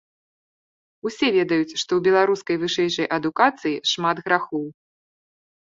Усе ведаюць, што ў беларускай вышэйшай адукацыі шмат грахоў.